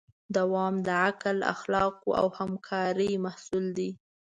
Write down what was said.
دوام د عقل، اخلاقو او همکارۍ محصول دی.